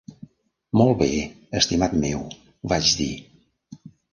"Molt bé, estimat meu", vaig dir.